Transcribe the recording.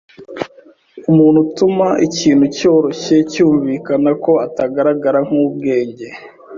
Umuntu utuma ikintu cyoroshye cyumvikana ko atagaragara nkubwenge.